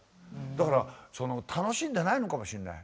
だから楽しんでないのかもしんない。